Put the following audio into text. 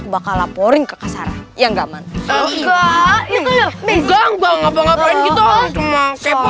bakal laporin ke kasar yang gaman itu enggak enggak enggak enggak enggak cuma kepo